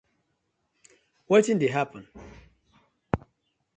Wetin dey happen?